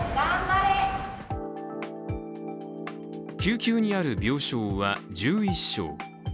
救急にある病床は１１床。